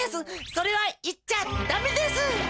それはいっちゃダメです！